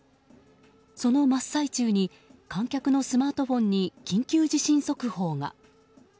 その真っ最中に観客のスマートフォンに緊急地震速報が。